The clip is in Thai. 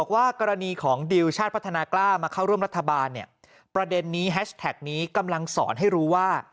ว่ากรณีของดิวชาติพัฒนากล้ามาเข้าร่วมรัฐบาลเนี่ยประเด็นนี้แฮชแท็กนี้กำลังสอนให้รู้ว่า